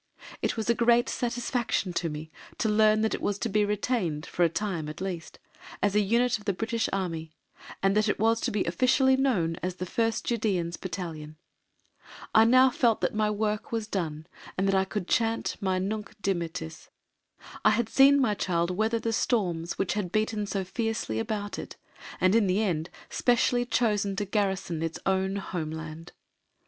It was a great satisfaction to me to learn that it was to be retained, for a time at least, as a unit of the British Army, and that it was to be officially known as the First Judæans Battalion. I now felt that my work was done and I could chant my "Nunc Dimittis." I had seen my child weather the storms which had beaten so fiercely about it, and in the end specially chosen to garrison its own Home Land.